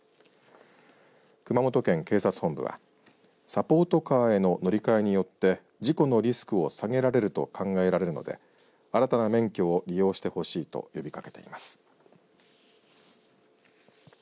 熊本県警察本部はサポートカーへの乗り換えによって事故のリスクを下げられると考えられるので新たな免許を利用してほしいと呼びかけています。